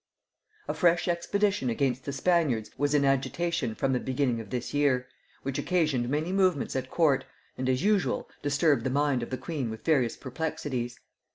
A fresh expedition against the Spaniards was in agitation from the beginning of this year, which occasioned many movements at court, and, as usual, disturbed the mind of the queen with various perplexities.